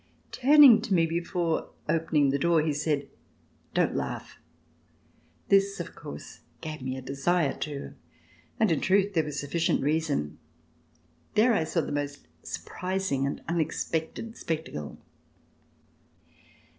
Turning to me before opening the door, he said: "Don't laugh!" This of course gave me a desire to, and, In truth, there was sufficient reason. There I saw the most surprising and unexpected spectacle.